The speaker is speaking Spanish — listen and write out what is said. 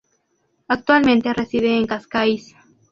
Actualmente reside en Cascais.